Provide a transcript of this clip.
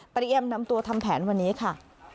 เตรียมนำตัวทำแผนวันนี้ค่ะ